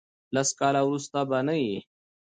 لس کاله ورسته به نه یی.